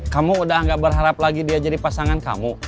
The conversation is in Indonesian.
kamu udah gak berharap lagi dia jadi pasangan kamu